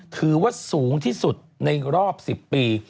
ถือว่าสูงที่สุดในรอบ๑๐ปี